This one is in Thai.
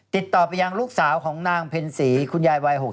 ติดต่อไปยังลูกสาวของนางเพ็ญศรีคุณยายวัย๖๐